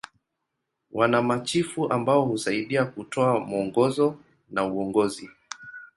Wana machifu ambao husaidia kutoa mwongozo na uongozi.